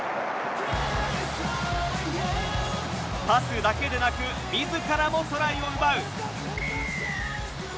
パスだけでなく自らもトライを奪う。